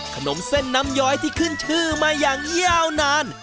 ขนมเส้นน้ำย้อยที่ขึ้นชื่อมาอย่างยาวนาน